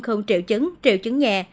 không triệu chứng triệu chứng nhẹ